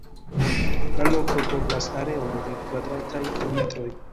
La loko kovras areon de kvadrataj kilometroj.